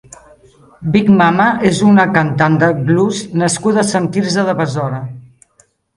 Big Mama és una cantant de blues nascuda a Sant Quirze de Besora.